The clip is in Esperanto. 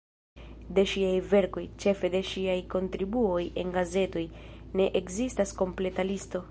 De ŝiaj verkoj, ĉefe de ŝiaj kontribuoj en gazetoj, ne ekzistas kompleta listo.